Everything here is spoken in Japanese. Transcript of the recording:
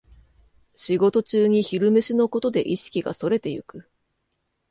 仕事中に昼飯のことで意識がそれていく